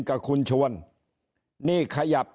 กับคุณชวนนี่ขยับ